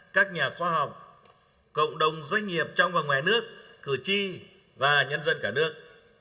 các nhà khoa học cộng đồng doanh nghiệp trong và ngoài nước cử tri và nhân dân cả nước